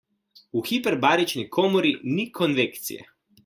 V hiperbarični komori ni konvekcije.